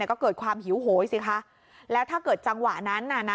ก็เกิดความหิวโหยสิคะแล้วถ้าเกิดจังหวะนั้นน่ะนะ